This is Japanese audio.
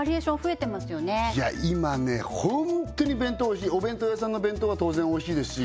ホントに弁当おいしいお弁当屋さんの弁当は当然おいしいですし